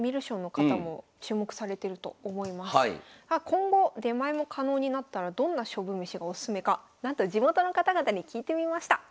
今後出前も可能になったらどんな勝負めしがおすすめかなんと地元の方々に聞いてみました。